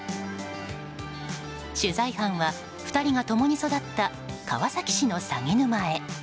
取材班は２人が共に育った川崎市の鷺沼へ。